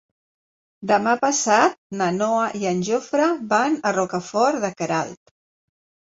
Demà passat na Noa i en Jofre van a Rocafort de Queralt.